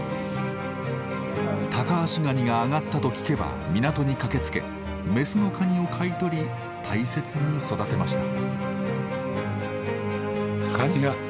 タカアシガニが揚がったと聞けば港に駆けつけ雌のカニを買い取り大切に育てました。